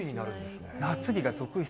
夏日が続出。